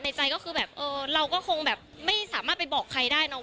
ใจก็คือแบบเออเราก็คงแบบไม่สามารถไปบอกใครได้เนอะ